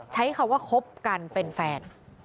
ใช้คำว่าคบกันเป็นแฟน